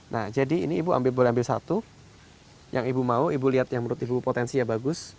nah jadi ini ibu boleh ambil satu yang ibu mau ibu lihat yang menurut ibu potensinya bagus